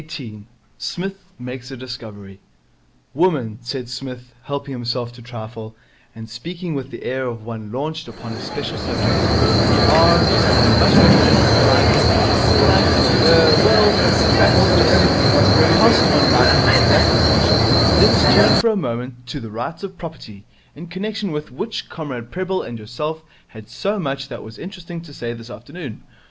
Psmith Makes a Discovery 'Women,' said Psmith, helping himself to trifle, and speaking with the air of one launched upon his special subject, 'are, one must recollect, like like er, well, in fact, just so. Passing on lightly from that conclusion, let us turn for a moment to the Rights of Property, in connection with which Comrade Prebble and yourself had so much that was interesting to say this afternoon.